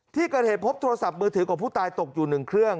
ที่เกิดเหตุพบโทรศัพท์มือถือของผู้ตายตกอยู่๑เครื่อง